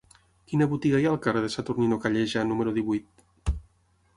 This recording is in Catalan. Quina botiga hi ha al carrer de Saturnino Calleja número divuit?